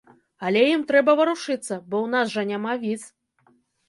Але ім трэба варушыцца, бо ў нас жа няма віз.